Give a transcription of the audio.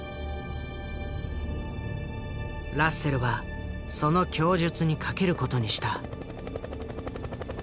ラッセルはその供述にかける事にした。